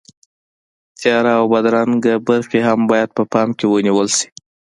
تیاره او بدرنګه برخې هم باید په پام کې ونیول شي.